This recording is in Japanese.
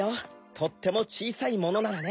とってもちいさいものならね。